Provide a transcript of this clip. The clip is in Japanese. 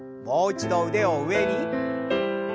もう一度腕を上に。